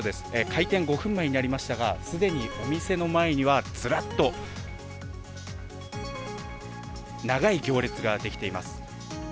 開店５分前になりましたが、既にお店の前にはずらっと長い行列ができています。